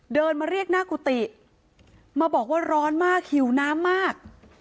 เดินมาเรียกหน้ากุฏิมาบอกว่าร้อนมากหิวน้ำมาก